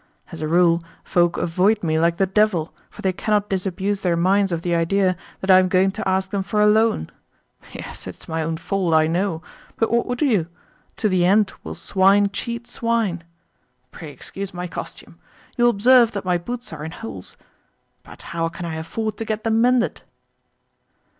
As a rule, folk avoid me like the devil, for they cannot disabuse their minds of the idea that I am going to ask them for a loan. Yes, it is my own fault, I know, but what would you? To the end will swine cheat swine. Pray excuse my costume. You will observe that my boots are in holes. But how can I afford to get them mended?"